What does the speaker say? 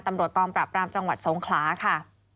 ตำรวจกองปราบรามจังหวัดทรงคลาค่ะ